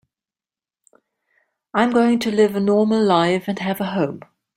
I'm going to live a normal life and have a home.